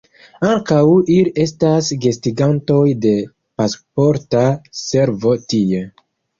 Ankaŭ ili estas gastigantoj de Pasporta Servo tie.